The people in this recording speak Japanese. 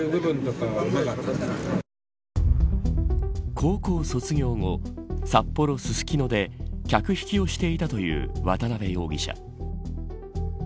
高校卒業後札幌、すすきので客引きをしていたという渡辺容疑者。